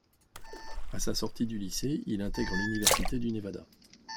À sa sortie du lycée, il intègre l'université du Nevada.